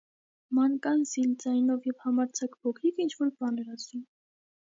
Մանկան զիլ ձայնով և համարձակ փոքրիկը ինչ-որ բան էր ասում: